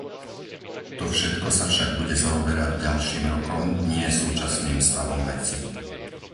To všetko sa však bude zaoberať ďalším rokom, nie súčasným stavom vecí.